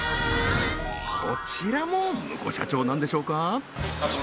こちらもムコ社長なんでしょうか？